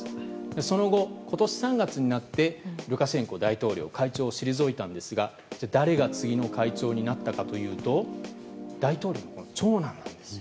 その後、今年３月になってルカシェンコ大統領は会長を退いたんですが次に誰がなったかというと大統領の長男なんです。